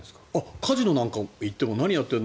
カジノなんか行っても何やってるの？